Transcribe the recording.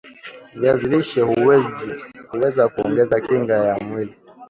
viazi lishe huweza kuongeza kinga ya mwili